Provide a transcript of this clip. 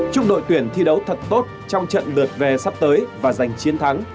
chúc đội tuyển thi đấu thật tốt trong trận lượt về sắp tới và giành chiến thắng